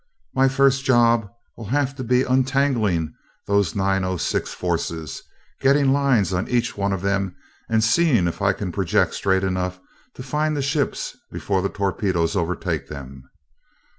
My first job'll have to be untangling those nine oh six forces, getting lines on each one of them, and seeing if I can project straight enough to find the ships before the torpedoes overtake them.